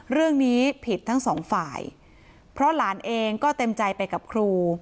เรื่องนี้ผิดทั้งสองฝ่ายเพราะหลานเองก็เต็มใจไปกับครู